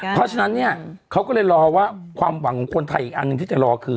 เพราะฉะนั้นเนี่ยเขาก็เลยรอว่าความหวังของคนไทยอีกอันหนึ่งที่จะรอคือ